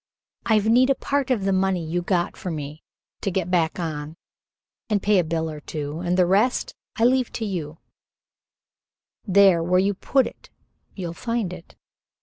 I've need of part of the money you got for me to get back on and pay a bill or two and the rest I leave to you there where you put it you'll find it.